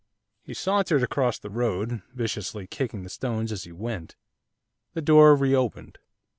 He sauntered across the road, viciously kicking the stones as he went. The door reopened.